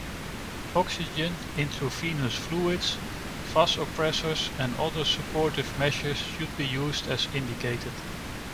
Oxygen, intravenous fluids, vasopressors and other supportive measures should be used as indicated.